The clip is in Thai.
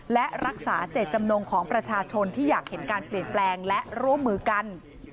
และรักษาเจตจำนงของประชาชนที่อยากเห็นการเปลี่ยนแปลงและร่วมมือกัน